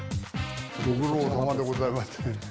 ご苦労さまでございます。